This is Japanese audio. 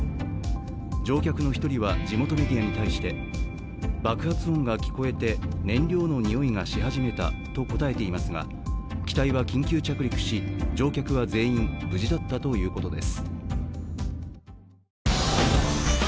乗客の１人は地元メディアに対して爆発音が聞こえて燃料のにおいがし始めたと答えていますが、機体は緊急着陸し、乗客は全員無事だったということです。